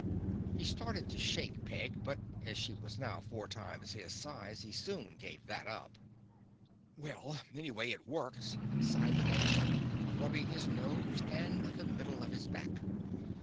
He started to shake Peg but as she was now four times his size he soon gave that up. "Well, anyway it works," sighed the gnome, rubbing his nose and the middle of his back.